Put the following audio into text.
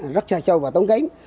rất xa xâu và tốn kém